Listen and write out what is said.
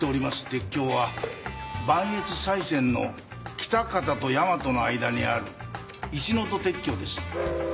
鉄橋は磐越西線の喜多方と山都の間にある一の戸鉄橋です。